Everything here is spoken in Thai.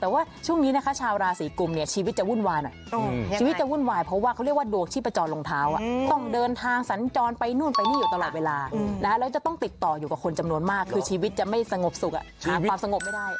แต่ว่าช่วงนี้นะคะชาวราศีกุมเนี่ยชีวิตจะวุ่นวายหน่อยชีวิตจะวุ่นวายเพราะว่าเขาเรียกว่าดวงชีพจรรองเท้าต้องเดินทางสัญจรไปนู่นไปนี่อยู่ตลอดเวลาแล้วจะต้องติดต่ออยู่กับคนจำนวนมากคือชีวิตจะไม่สงบสุขหาความสงบไม่ได้